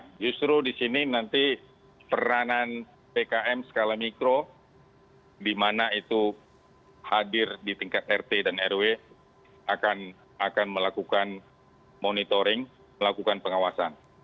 nah justru di sini nanti peranan pkm skala mikro di mana itu hadir di tingkat rt dan rw akan melakukan monitoring melakukan pengawasan